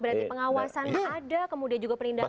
berarti pengawasan ada kemudian juga perlindakan